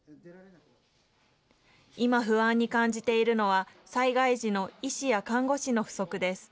今、不安に感じているのは、災害時の医師や看護師の不足です。